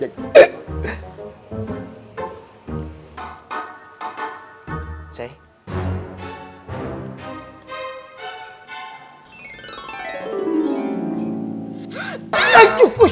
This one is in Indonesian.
aduh cukup cukup